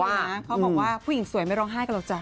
เขาบอกว่าผู้หญิงสวยไม่ร้องไห้กันหรอกจ้